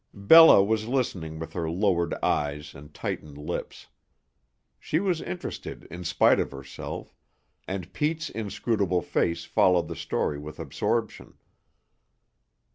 Bella was listening with her lowered eyes and tightened lips. She was interested in spite of herself; and Pete's inscrutable face followed the story with absorption.